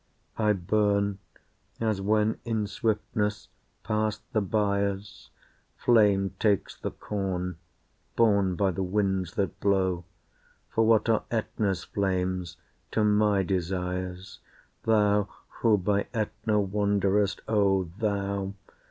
I burn, as when in swiftness, past the byres, Flame takes the corn, borne by the winds that blow; For what are Ætna's flames to my desires, Thou, who by Ætna wanderest, O Thou!